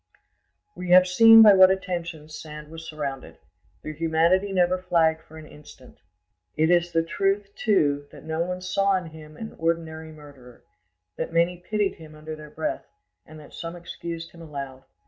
We have seen by what attentions Sand was surrounded; their humanity never flagged for an instant. It is the truth, too, that no one saw in him an ordinary murderer, that many pitied him under their breath, and that some excused him aloud.